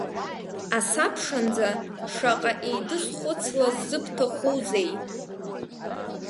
Асабшанӡа шаҟа еидысхәыцлаз зыбҭахузеи.